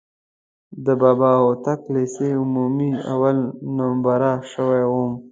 د بابا هوتک لیسې عمومي اول نومره شوی وم.